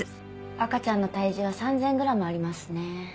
赤ちゃんの体重は３０００グラムありますね。